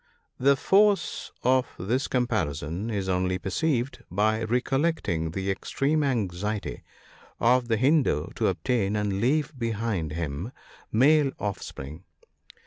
The force of this comparison is only perceived by recollecting the extreme anxiety of the Hindoo to obtain, and leave behind him, male offspring.